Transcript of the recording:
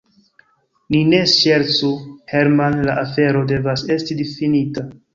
Ni ne ŝercu, Herman, la afero devas esti finita.